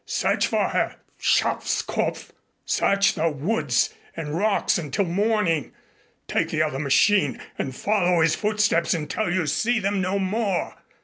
Search for her, schafskopf. Search the woods and rocks until morning. Take the other machine and follow his footsteps until you see them no more.